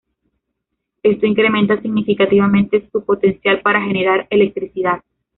Esto incrementa significativamente su potencial para generar electricidad.